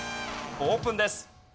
オープンです。